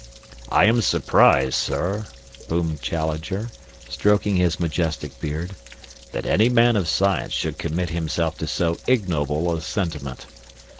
"I am surprised, sir," boomed Challenger, stroking his majestic beard, "that any man of science should commit himself to so ignoble a sentiment.